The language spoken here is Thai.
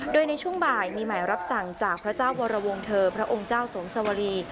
โดยในช่วงบ่ายมีหมายรับสั่งจากพระเจ้าวรวงเธอพระองค์เจ้าสมสวรี